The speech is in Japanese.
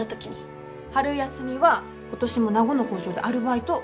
春休みは今年も名護の工場でアルバイト。